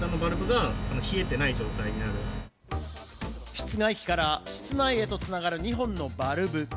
室外機から室内へと繋がる２本のバルブ。